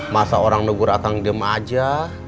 masa orang negur aku diam aja